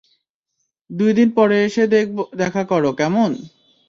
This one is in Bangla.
দুই দিন পর এসে দেখা করো, কেমন?